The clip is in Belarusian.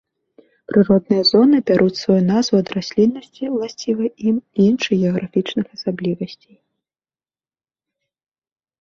Прыродныя зоны бяруць сваю назву ад расліннасці, уласцівай ім, і іншых геаграфічных асаблівасцей.